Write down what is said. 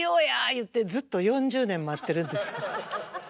言ってずっと４０年待ってるんです。